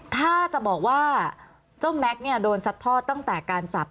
ถ้าจะบอกว่าเจ้าแม็กซ์เนี่ยโดนซัดทอดตั้งแต่การจับ